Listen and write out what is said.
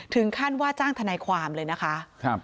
ถึงขั้นว่าจ้างทนายความเลยนะคะ